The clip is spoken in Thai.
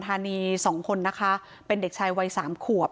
ท่านผู้ชมครับ